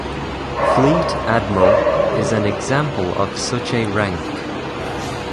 Fleet admiral is an example of such a rank.